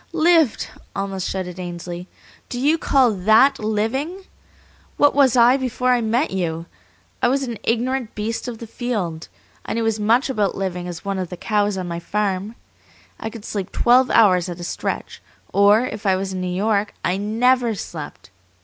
"Lived!" almost shouted Ainsley. "Do you call THAT living? What was I before I met you? I was an ignorant beast of the field. I knew as much about living as one of the cows on my farm. I could sleep twelve hours at a stretch, or, if I was in New York, I NEVER slept.